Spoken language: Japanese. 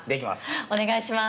お願いします！